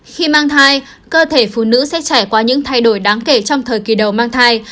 khi mang thai cơ thể phụ nữ sẽ trải qua những thay đổi đáng kể trong thời kỳ đầu mang thai